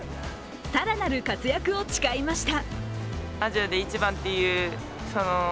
更なる活躍を誓いました。